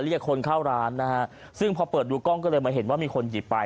เรียกคนเข้าร้านนะฮะซึ่งพอเปิดดูกล้องก็เลยมาเห็นว่ามีคนหยิบไป